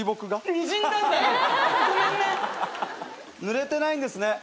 ぬれてないんですね。